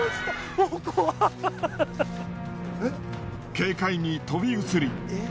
軽快に跳び移り